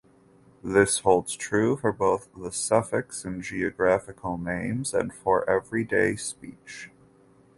This holds true for both the suffix in geographical names and for everyday speech.